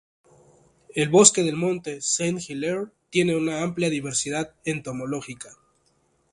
El bosque del Monte Saint-Hilaire tiene una amplia diversidad entomológica.